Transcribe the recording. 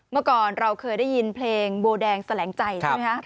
เมื่อก่อนเราเคยได้ยินเพลงโบแดงแสลงใจใช่ไหมคะ